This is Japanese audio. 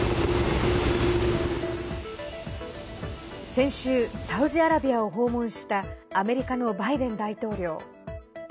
先週、サウジアラビアを訪問したアメリカのバイデン大統領。